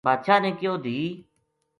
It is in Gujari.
بادشاہ نے کہیو دھی